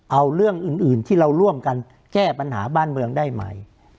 เอาเรื่องอื่นที่เราร่วมกันแก้ปัญหาบ้านเมืองได้ไหม